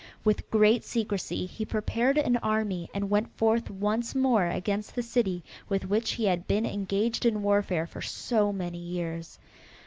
With great secrecy he prepared an army and went forth once more against the city with which he had been engaged in warfare for so many years.